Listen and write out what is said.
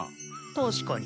確かに。